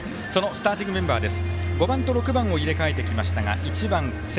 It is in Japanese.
スターティングメンバーです。